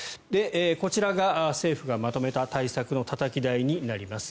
こちらが政府がまとめた対策のたたき台になります。